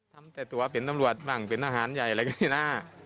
ทำแต่ตัวเปลี่ยนตำรวจบ้างเปลี่ยนอาหารใหญ่อะไรก็ได้นะ